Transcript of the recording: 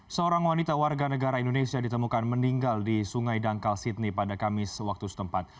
seorang wanita warga negara indonesia ditemukan meninggal di sungai dangkal sydney pada kamis waktu setempat